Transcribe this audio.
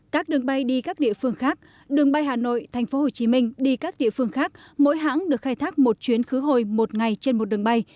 các đường bay đi các địa phương khác đường bay hà nội tp hcm đi các địa phương khác mỗi hãng được khai thác một chuyến khứ hồi một ngày trên một đường bay